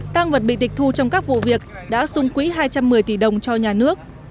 tăng vật bị tịch thu trong các vụ việc đã xung quỹ hai trăm một mươi tỷ đồng cho nhà nước